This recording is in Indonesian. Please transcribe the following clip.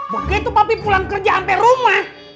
begitu papi pulang kerja sampe rumah